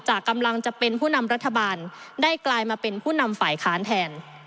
กำลังจะเป็นผู้นำรัฐบาลได้กลายมาเป็นผู้นำฝ่ายค้านแทน